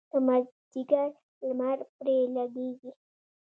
د مازدیګر لمر پرې لګیږي.